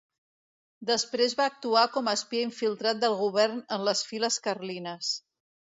Després va actuar com a espia infiltrat del govern en les files carlines.